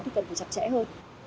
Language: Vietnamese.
thì cần phải chặt chẽ hơn